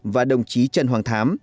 và đồng chí trần hoàng thám